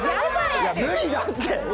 いや無理だって！